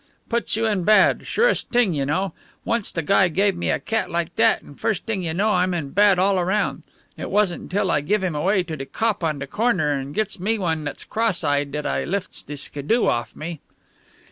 Puts you in bad, surest t'ing you know. Oncst a guy give me a cat like dat, and first t'ing you know I'm in bad all round. It wasn't till I give him away to de cop on de corner and gets me one dat's cross eyed dat I lifts de skidoo off of me."